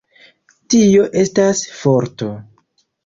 Tio estas forto.